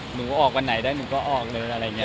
หนูออกวันไหนได้หนูก็ออกเลยอะไรอย่างนี้